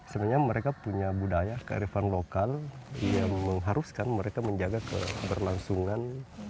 sebenarnya mereka punya budaya kearifan lokal yang mengharuskan mereka menjaga keberlangsungan